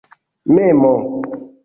memo